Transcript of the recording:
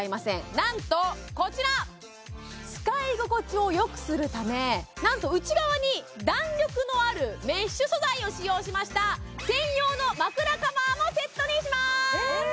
なんとこちら使い心地を良くするためなんと内側に弾力のあるメッシュ素材を使用しました専用の枕カバーもセットにしますえ！